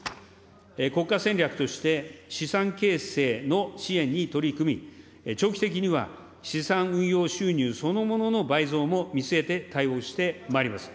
国家戦略として資産形成の支援に取り組み、長期的には資産運用収入そのものの倍増も見据えて対応してまいります。